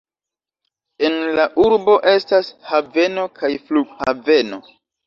En la urbo estas haveno kaj flughaveno.